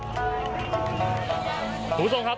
สวัสดีคุณผู้ชมครับ